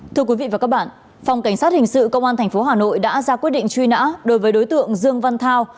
thưa quý vị và các bạn phòng cảnh sát hình sự công an tp hà nội đã ra quyết định truy nã đối với đối tượng dương văn thao